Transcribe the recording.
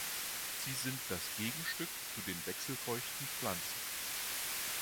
Sie sind das Gegenstück zu den wechselfeuchten Pflanzen.